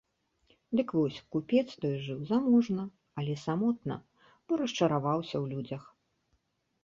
Дык вось, купец той жыў заможна, але самотна, бо расчараваўся ў людзях.